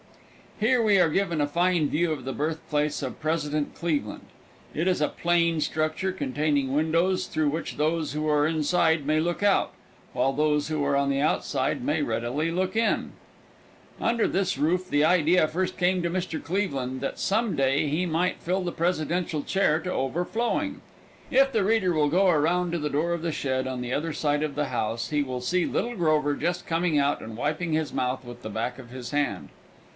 Here we are given a fine view of the birthplace of President Cleveland. It is a plain structure, containing windows through which those who are inside may look out, while those who are on the outside may readily look in. Under this roof the idea first came to Mr. Cleveland that some day he might fill the presidential chair to overflowing. If the reader will go around to the door of the shed on the other side of the house, he will see little Grover just coming out and wiping his mouth with the back of his hand.